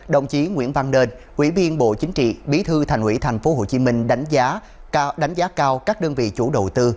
đồng chí nguyễn văn nền quỹ viên bộ chính trị bí thư thành ủy tp hcm đánh giá cao các đơn vị chủ đầu tư